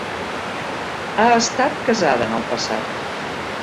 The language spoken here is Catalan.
Ha estat casada en el passat.